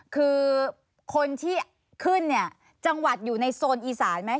คือคนที่ขึ้นเนี่ยจังหวัดอยู่ในโซนอีสานไหม